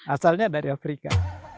asalnya dari afrika